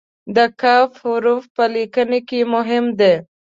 د "ک" حرف په لیکنه کې مهم دی.